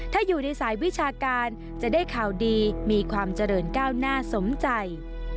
ถ้าอยู่ในสายวิชาการจะได้ข่าวดีมีความเจริญก้าวหน้าสมใจ